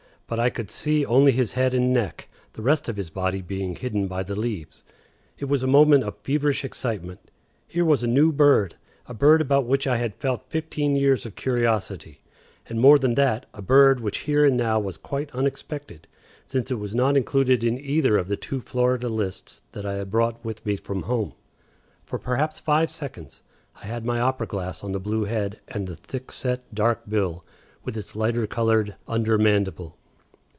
But I could see only his head and neck, the rest of his body being hidden by the leaves. It was a moment of feverish excitement. Here was a new bird, a bird about which I had felt fifteen years of curiosity; and, more than that, a bird which here and now was quite unexpected, since it was not included in either of the two Florida lists that I had brought with me from home. For perhaps five seconds I had my opera glass on the blue head and the thick set, dark bill, with its lighter colored under mandible.